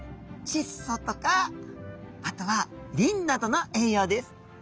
チッ素とかあとはリンなどの栄養です。